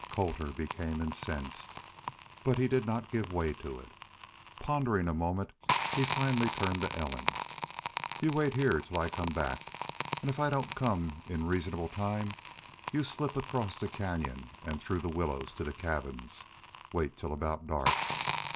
Colter became incensed, but he did not give way to it. Pondering a moment, he finally turned to Ellen. "Y'u wait heah till I come back. An' if I don't come in reasonable time y'u slip across the canyon an' through the willows to the cabins. Wait till aboot dark."